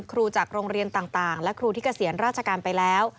จากโรงเรียนต่างและครูที่เกษียณราชการไปแล้ว